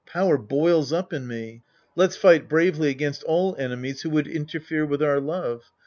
Power boils up in me. Let's fight bravely against all enemies who would interfere with our love.